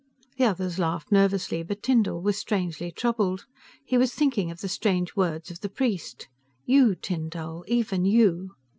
The others laughed nervously, but Tyndall was strangely troubled, he was thinking of the strange words of the priest, "You, Tyn Dall, even you."